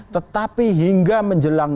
tetapi hingga menjelang